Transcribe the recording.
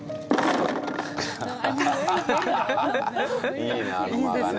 いいね